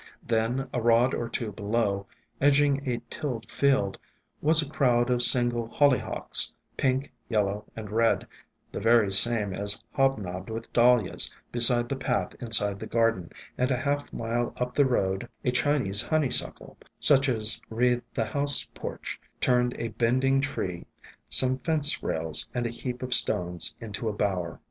Then, a rod or two below, edging a tilled field, was a crowd of single Hollyhocks, pink, yellow, and red, the very same as hob nobbed with Dahlias beside the path inside the garden; and a half mile up the road a Chinese ESCAPED FROM GARDENS 81 Honeysuckle, such as wreathed the house porch, turned a bending tree, some fence rails, and a heap of stones into a bower.